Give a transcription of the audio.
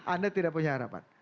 anda tidak punya harapan